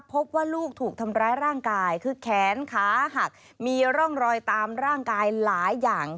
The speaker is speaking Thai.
พบว่าลูกถูกทำร้ายร่างกายคือแขนขาหักมีร่องรอยตามร่างกายหลายอย่าง